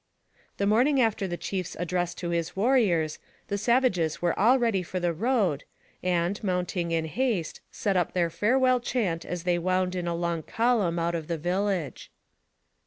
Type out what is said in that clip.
The morning after the chief's address to his warriors, the savages were all ready for the road, and, mount ing in haste, set up their farewell chant as they wound in a long column out of the village.